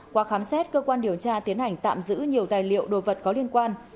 qua khám xét cơ quan điều tra tiến hành tạm giữ nhiều tài liệu đồ vật có liên quan